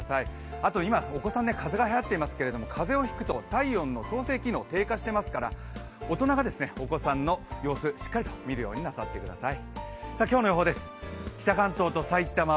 あと今、お子さん、風邪がはやっていますけど風邪をひくと体温の調整機能、低下していますから大人がお子さんの様子、しっかりと見るようになさってください。